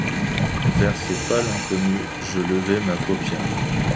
Vers ce pâle inconnu je levai ma paupière.